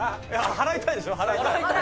払いたいんでしょ？